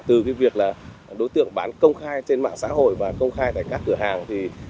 từ việc là đối tượng bán công khai trên mạng xã hội và công khai tại các cửa hàng